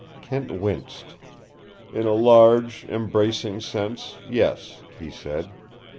Kent winced. "In a large, embracing sense, yes," he said.